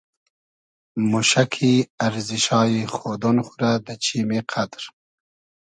موشۂ کی ارزیشایی خودۉن خو رۂ دۂ چیمی قئدر